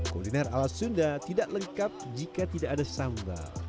kuliner ala sunda tidak lengkap jika tidak ada sambal